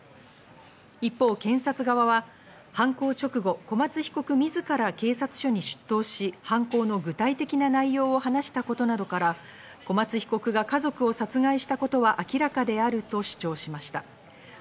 一方、検察側は犯行直後、小松被告自ら警察署に出頭し、犯行の具体的な内容を話したことなどから、小松被告が家族を殺害したことは明らかであると主張しました。